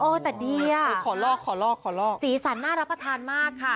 แต่ดีอ่ะขอลอกขอลอกขอลอกสีสันน่ารับประทานมากค่ะ